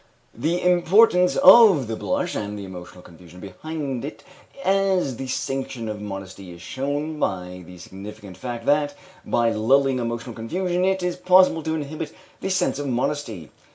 The importance of the blush, and the emotional confusion behind it, as the sanction of modesty is shown by the significant fact that, by lulling emotional confusion, it is possible to inhibit the sense of modesty.